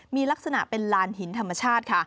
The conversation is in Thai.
มีลักษณะเป็นลานหินธรรมชาติค่ะ